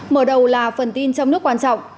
mở đầu là phần tin trong nước quan trọng